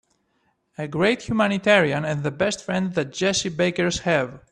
A great humanitarian and the best friend the Jessie Bakers have.